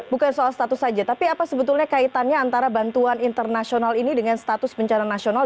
bukan soal status saja tapi apa sebetulnya kaitannya antara bantuan internasional ini dengan status bencana nasional